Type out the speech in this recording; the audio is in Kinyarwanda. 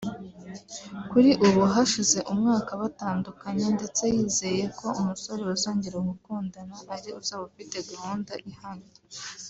Kuri ubu hashize umwaka batandukanye ndetse yizeye ko umusore bazongera gukundana ari uzaba afite gahunda ihamye